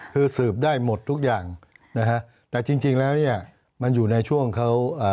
คือสืบได้หมดทุกอย่างนะฮะแต่จริงจริงแล้วเนี่ยมันอยู่ในช่วงเขาอ่า